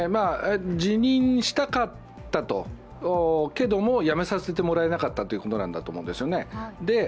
辞任したかったと、けども辞めさせてもらえなかったということだと思うんですね。